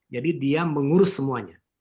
jadi dia mengurus semuanya